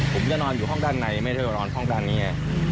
ผมจะนอนอยู่ห้องด้านในไม่ได้นอนห้องด้านนี้ไง